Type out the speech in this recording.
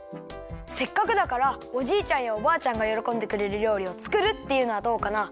せっかくだからおじいちゃんやおばあちゃんがよろこんでくれるりょうりを作るっていうのはどうかな？